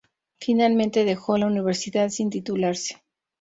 Finalmente dejó la universidad sin titularse.